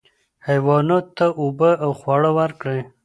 حیواناتو ته اوبه او خواړه ورکړئ.